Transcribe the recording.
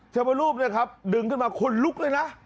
ชมรูปเนี่ยครับดึงขึ้นมาขนลุกเลยนะ